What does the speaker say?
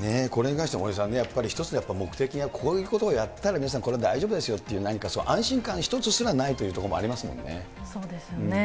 ねえ、これに関して森さんね、やっぱり一つ、目的が、こういうことをやったら、皆さん、大丈夫ですよっていう何か安心感一つすらないというところもありますもそうですね。